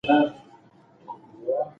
د ملوکیت فرعي اصول څلور دي.